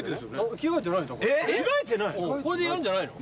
うんこれでやるんじゃないの？